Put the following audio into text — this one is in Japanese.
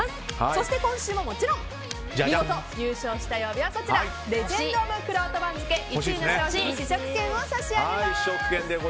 そして今週ももちろん見事優勝した曜日はレジェンド・オブ・くろうと番付１位の商品試食券を差し上げます。